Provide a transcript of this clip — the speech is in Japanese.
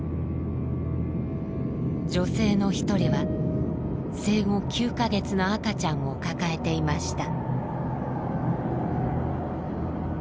女性の一人は生後９か月の赤ちゃんを抱えていました。